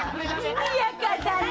にぎやかだね！